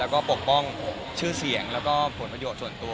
แล้วก็ปกป้องชื่อเสียงแล้วก็ผลประโยชน์ส่วนตัว